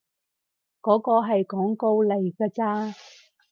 嗰個係廣告嚟㗎咋